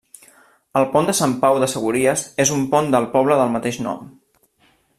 El Pont de Sant Pau de Segúries és un pont del poble del mateix nom.